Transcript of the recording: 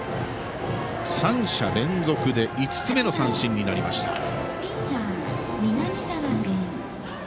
３者連続で５つ目の三振になりました。